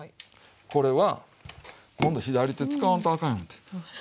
これは今度左手使わんとあかんようになって。